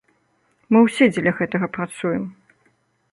Мы ўсе дзеля гэтага працуем.